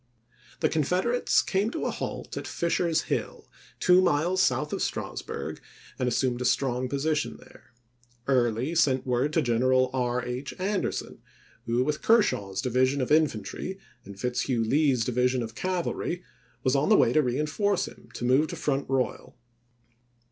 The Confederates came to a halt at Fisher's Hill, two miles south of Strasburg, and assumed a strong position there. Early sent word to Gen Aug.12,1864. eral R. H. Anderson, who, with Kershaw's divi sion of infantry and Fitzhugh Lee's division of cavalry, was on the way to reenforce him, to move to Front Royal.